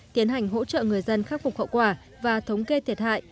tiến hành hỗ trợ người dân khắc phục hậu quả và thống kê thiệt hại